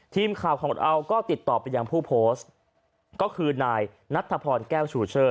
ทีมข่าวของเราก็ติดต่อไปยังผู้โพสต์ก็คือนายนัทธพรแก้วชูเชิด